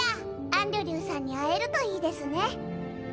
アンドリューさんに会えるといいですね。